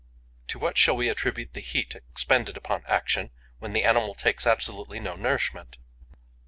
To what shall we attribute the heat expended upon action, when the animal takes absolutely no nourishment?